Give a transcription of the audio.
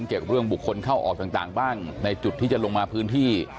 เกี่ยวกับเรื่องบุคคลเข้าออกต่างบ้างในจุดที่จะลงมาพื้นที่